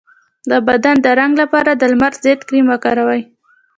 د بدن د رنګ لپاره د لمر ضد کریم وکاروئ